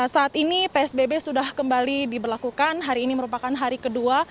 saat ini psbb sudah kembali diberlakukan hari ini merupakan hari kedua